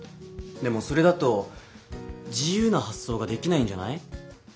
でもそれだと自由な発想ができないんじゃない？